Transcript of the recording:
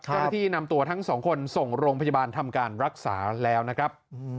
ก็คือที่นำตัวทั้ง๒คนส่งโรงพยาบาลทำการรักษาแล้วนะครับ